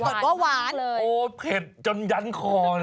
ปรากฏว่าหวานโอ้เผ็ดจนยั้นคอเลย